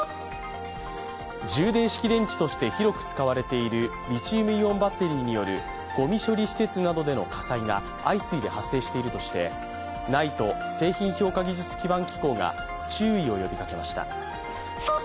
充電式電池として広く使われているリチウムイオンバッテリーによるごみ処理施設などでの家裁が相次いで発生しているとしてＮＩＴＥ＝製品評価技術基盤機構が注意を呼びかけました。